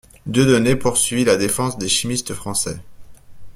Dieudonné poursuivit la défense des chimistes français.